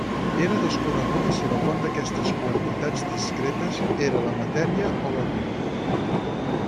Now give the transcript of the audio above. Era desconeguda si la font d'aquestes quantitats discretes era la matèria o la llum.